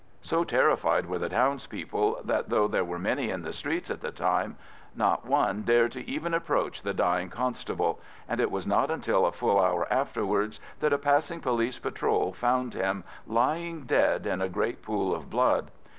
So terrified were the townspeople that, though there were many in the streets at the time, not one dared to even approach the dying constable, and it was not until a full hour afterwards that a passing police patrol found him lying dead in a great pool of blood.